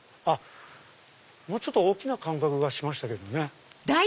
もうちょっと大きな感覚がしましたけどね。